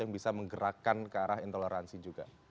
yang bisa menggerakkan ke arah intoleransi juga